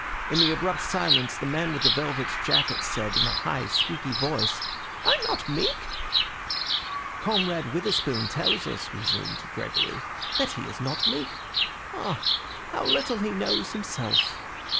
In the abrupt silence, the man with the velvet jacket said, in a high, squeaky voice— "I'm not meek!" "Comrade Witherspoon tells us," resumed Gregory, "that he is not meek. Ah, how little he knows himself!